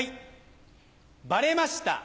バレました